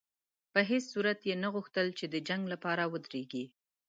په هېڅ صورت یې نه غوښتل چې د جنګ لپاره ودرېږي.